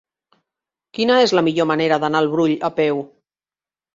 Quina és la millor manera d'anar al Brull a peu?